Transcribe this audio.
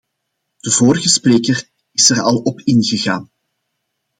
De vorige spreker is er al op ingegaan.